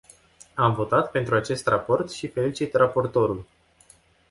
Am votat pentru acest raport și felicit raportorul.